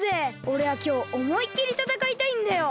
おれはきょうおもいっきりたたかいたいんだよ！